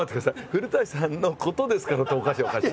「古さんのことですから」っておかしいおかしい。